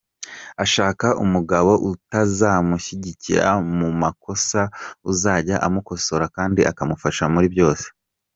Ashaka umugabo utazamushyigikira mu makosa, uzajya amukosora kandi akamufasha muri byose.